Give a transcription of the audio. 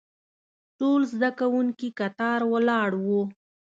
ټول زده کوونکي کتار ولاړ وو.